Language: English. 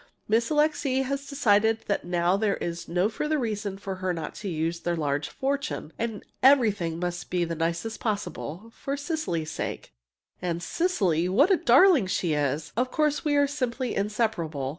Miss Alixe has decided that now there is no further reason for her not using their large fortune, and everything must be the nicest possible for Cecily's sake. And Cecily! what a darling she is! Of course we are simply inseparable.